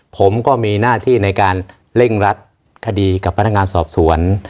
ผมก็มีหน้าที่ในการเร่งรัดคดีกับพนักงานสอบสวน